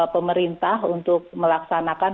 pemerintah untuk melaksanakan